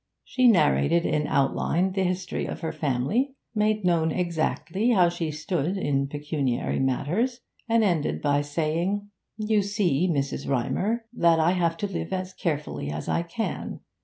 She narrated in outline the history of her family, made known exactly how she stood in pecuniary matters, and ended by saying 'You see, Mrs. Rymer, that I have to live as carefully as I can.